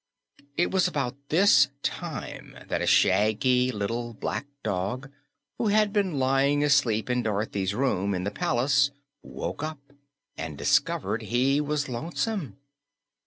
It was about this time that a shaggy little black dog who had been lying asleep in Dorothy's room in the palace woke up and discovered he was lonesome.